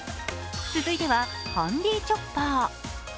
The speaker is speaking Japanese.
続いては、ハンディチョッパー。